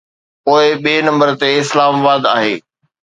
پوءِ ٻئي نمبر تي اسلام آباد آهي.